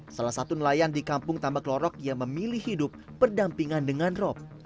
salah satu nelayan di kampung tambak lorok yang memilih hidup berdampingan dengan rock